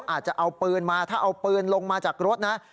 อาจจะเอาปืนมาถ้าเอาปืนลงมาจากรถนะ